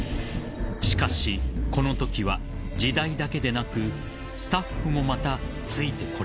［しかしこのときは時代だけでなくスタッフもまたついてこれなかった］